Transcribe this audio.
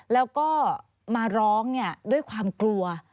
แล้วก็มาร้องด้วยความกลัว